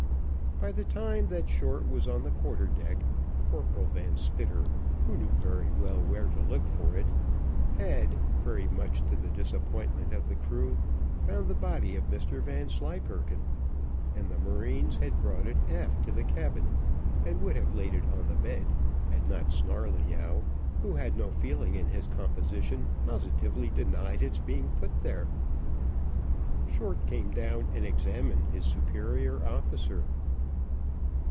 By the time that Short was on the quarter deck, Corporal Van Spitter, who knew very well where to look for it, had, very much to the disappointment of the crew, found the body of Mr Vanslyperken, and the marines had brought it aft to the cabin, and would have laid it on the bed, had not Snarleyyow, who had no feeling in his composition, positively denied its being put there. Short came down and examined his superior officer.